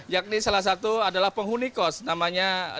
yakni salah satu adalah penghunikos namanya nikadek yuliani